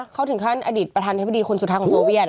เขาถึงขั้นอดีตประธานธิบดีคนสุดท้ายของโซเวียต